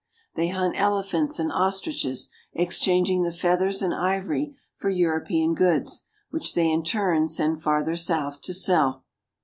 They hunt elephants and ostriches, exchanging the feathers and ivory for European goods, which they in turn send farther south to sell.